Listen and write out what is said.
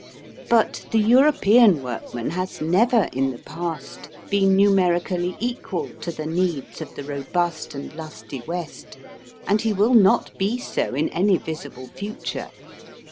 But the European workman has never in the past been numerically equal to the needs of the robust and lusty West, and he will not be so in any visible future.